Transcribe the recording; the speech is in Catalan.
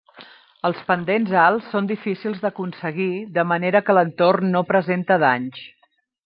Els pendents alts són difícils d’aconseguir, de manera que l’entorn no presenta danys.